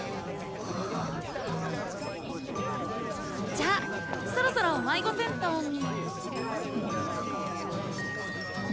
じゃあそろそろ迷子センターに。